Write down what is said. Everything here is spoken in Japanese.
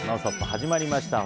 始まりました。